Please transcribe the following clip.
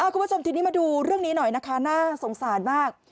คุณผู้ชมทีนี้มาดูเรื่องนี้หน่อยนะคะน่าสงสารมาก